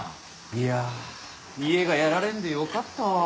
いやあ家がやられんでよかったわ。